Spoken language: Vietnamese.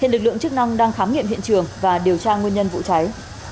hiện lực lượng chức năng đang khám nghiệm hiện trường và điều tra nguyên nhân vụ cháy